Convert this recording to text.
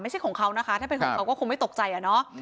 ไม่ใช่ของเขานะคะถ้าเป็นของเขาก็คงไม่ตกใจอะเนาะ